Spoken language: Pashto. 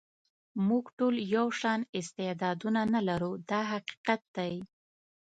موږ ټول یو شان استعدادونه نه لرو دا حقیقت دی.